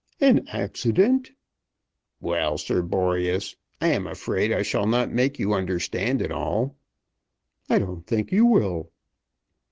"An accident!" "Well, Sir Boreas; I am afraid I shall not make you understand it all." "I don't think you will."